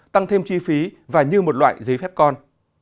tăng thêm chi phí và như một loại giấy phép con